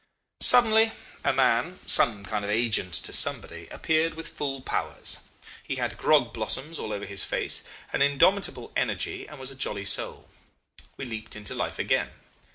"Suddenly a man, some kind of agent to somebody, appeared with full powers. He had grog blossoms all over his face, an indomitable energy, and was a jolly soul. We leaped into life again.